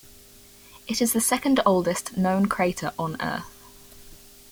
It is the second-oldest known crater on Earth.